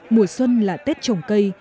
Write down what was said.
mùa xuân là tết trồng cây